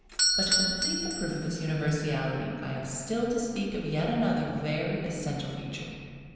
But to complete the proof of its universality I have still to speak of another very essential feature.